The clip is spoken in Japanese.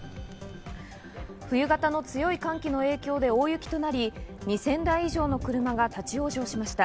冬型の強い寒気の影響で大雪となり、２０００台以上の車が立ち往生しました。